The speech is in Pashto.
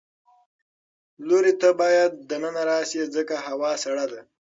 لورې ته باید د ننه راشې ځکه هوا سړه ده.